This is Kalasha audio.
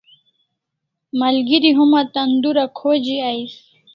Malgeri homa tan dura khoji ais